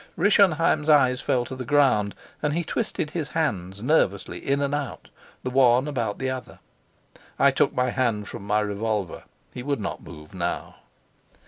Rischenheim's eyes fell to the ground, and he twisted his hands nervously in and out, the one about the other. I took my hand from my revolver: he would not move now.